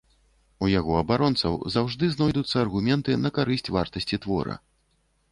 У яго абаронцаў заўжды знойдуцца аргументы на карысць вартасці твора.